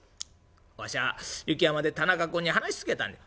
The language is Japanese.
わしは雪山で田中君に話し続けたんじゃ」。